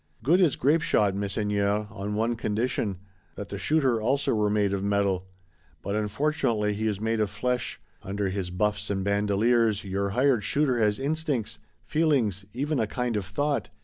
Good is grapeshot, Messeigneurs, on one condition: that the shooter also were made of metal! But unfortunately he is made of flesh; under his buffs and bandoleers your hired shooter has instincts, feelings, even a kind of thought.